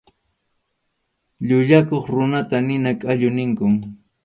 Llullakuq runata nina qallu ninkum.